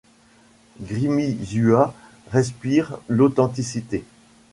Grimisuat respire l'authenticité.